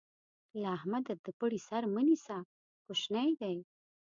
له احمده د پړي سر مه نيسه؛ کوشنی دی.